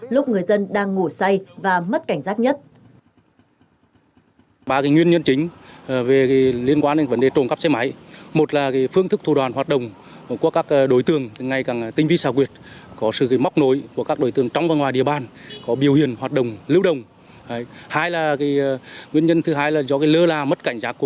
lúc người dân đang ngủ say và mất cảnh giác nhất